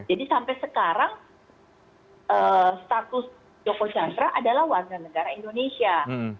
jadi sampai sekarang status joko chandra adalah warga negara indonesia